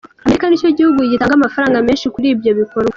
Amerika nicyo gihugu gitanga amafaranga menshi kuri ibyo bikorwa.